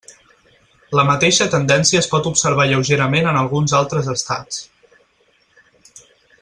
La mateixa tendència es pot observar lleugerament en alguns altres estats.